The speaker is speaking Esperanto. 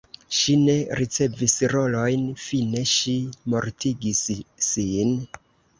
Ŝi ne ricevis rolojn, fine ŝi mortigis sin.